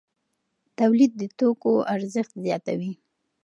تولید د توکو ارزښت زیاتوي.